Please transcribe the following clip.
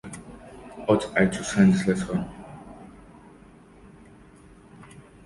Ought I to send this letter?